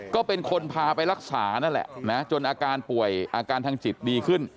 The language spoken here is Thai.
ก็เป็นคนพาไปรักษานั่นแหละนะจนอาการป่วยอาการทางจิตดีขึ้น